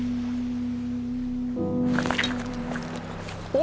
お！